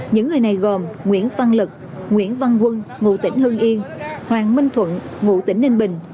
những người này gồm nguyễn văn lực nguyễn văn quân ngụ tỉnh hưng yên hoàng minh thuận ngụ tỉnh ninh bình